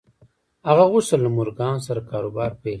هغه غوښتل له مورګان سره کاروبار پیل کړي